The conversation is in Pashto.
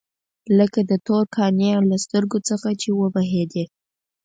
لکه د تور قانع له سترګو څخه چې وبهېدې.